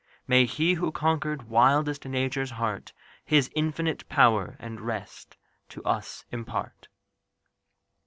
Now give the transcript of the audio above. May He who conquered wildest Nature's heart His infinite power and rest to us impart!